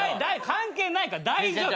関係ないから大丈夫。